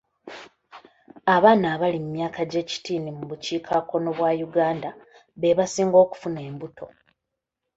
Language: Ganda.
Abaana abali mu myaka gy'ekitiini mu bukiikakkono bwa Uganda be basinga okufuna enbuto.